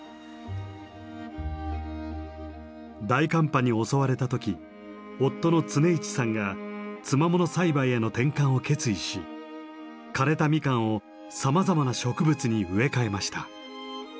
大寒波に襲われた時夫の常一さんがつまもの栽培への転換を決意し枯れたミカンをさまざまな植物に植え替えました。